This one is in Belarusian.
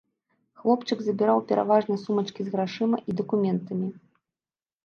Хлопчык забіраў пераважна сумачкі з грашыма і дакументамі.